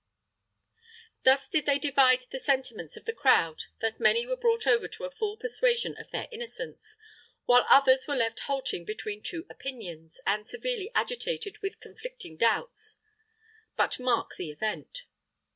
"Thus did they divide the sentiments of the crowd that many were brought over to a full persuasion of their innocence, while others were left halting between two opinions and severely agitated with conflicting doubts. But mark the event.